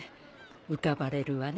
浮かばれるわね